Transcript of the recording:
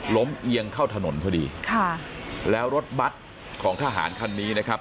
เอียงเข้าถนนพอดีค่ะแล้วรถบัตรของทหารคันนี้นะครับ